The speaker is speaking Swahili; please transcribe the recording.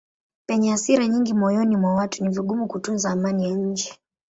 Penye hasira nyingi moyoni mwa watu ni vigumu kutunza amani ya nje.